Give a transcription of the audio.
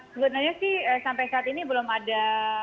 sebenarnya sih sampai saat ini belum ada